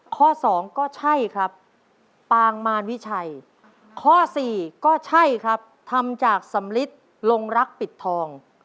ข้อสองก็ใช่ครับปางมารวิชัยข้อสี่ก็ใช่ครับทำจากสำลิดลงรักปิดทอง